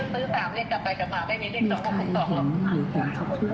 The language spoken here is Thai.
ซื้อซื้อสามเลขกลับไปกลับมาไม่มีเลขสองพูดตอบหรอก